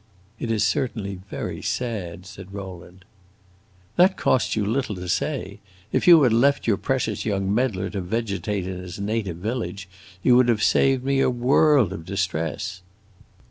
"It is certainly very sad," said Rowland. "That costs you little to say. If you had left your precious young meddler to vegetate in his native village you would have saved me a world of distress!"